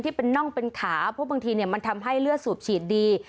เป็นน่องเป็นขาเพราะบางทีมันทำให้เลือดสูบฉีดดี